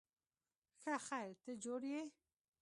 ښه خیر، ته جوړ یې؟